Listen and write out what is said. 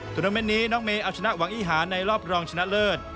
นาเมนต์นี้น้องเมย์เอาชนะหวังอีหาในรอบรองชนะเลิศ